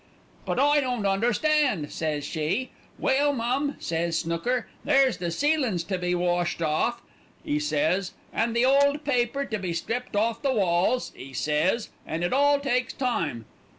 "'But I don't understand,' says she. "'Well, mum,' says Snooker, 'there's the ceilin's to be washed off,' 'e says, 'an' the old paper to be stripped off the walls,' 'e says, 'and it all takes time.'